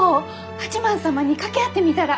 八幡様に掛け合ってみたら。